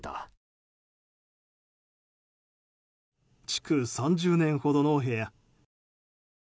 築３０年ほどの部屋。